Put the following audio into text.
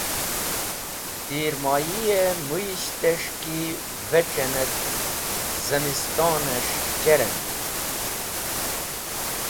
Tirmoyig̃h-e mũyishtes̃h ki vec̃hen et zemistones̃h cheremd.